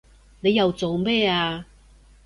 你又做咩啊